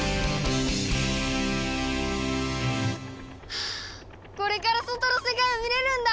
はぁこれから外の世界を見れるんだ！